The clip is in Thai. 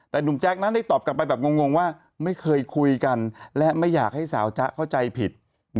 แต่หนุ่มแจ๊คนั้นได้ตอบกลับไปแบบงงว่าไม่เคยคุยกันและไม่อยากให้สาวจ๊ะเข้าใจผิด